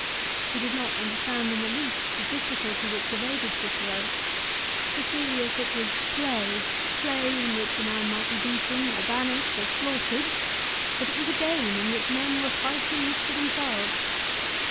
He did not under stand in the least the difficulty which pervaded Cicero. To Cselius it was play, play in which a man might be beaten, or banished, or slaughtered ; but it was a game in which men were fighting each for themselves.